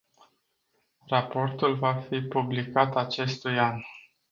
Raportul va fi publicat acestui an.